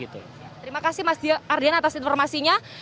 terima kasih mas ardian atas informasinya